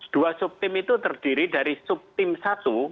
dua sub tim itu terdiri dari sub tim satu